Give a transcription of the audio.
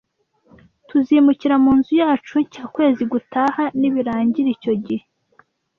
Tuzimukira munzu yacu nshya ukwezi gutaha nibirangira icyo gihe.